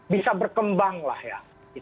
bisa berkembang lah ya